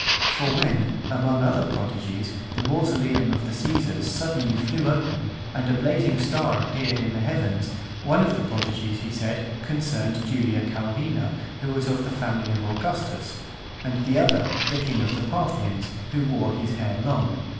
For when, among other prodigies, the mausoleum of the Caesars suddenly flew open, and a blazing star appeared in the heavens; one of the prodigies, he said, concerned Julia Calvina, who was of the family of Augustus ; and the other, the king of the Parthians, who wore his hair long.